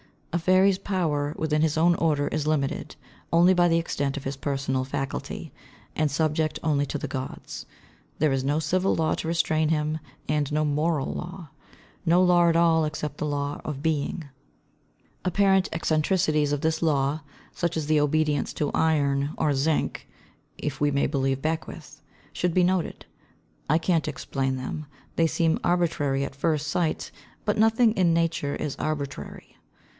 A fairy's power within his own order is limited only by the extent of his personal faculty, and subject only to the Gods. There is no civil law to restrain him, and no moral law; no law at all except the law of being. [Footnote 10: Apparent eccentricities of this law, such as the obedience to iron, or zinc (if we may believe Beckwith), should be noted. I can't explain them. They seem arbitrary at first sight, but nothing in Nature is arbitrary.